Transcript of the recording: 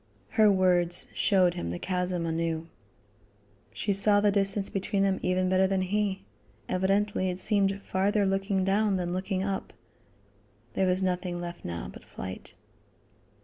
Her words showed him the chasm anew. She saw the distance between them even better than he. Evidently it seemed farther looking down than looking up. There was nothing left now but flight.